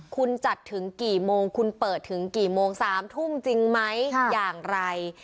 คุณจัดถึงกี่โมงคุณเปิดถึงกี่โมง๓ทุ่มจริงไหมอย่างไร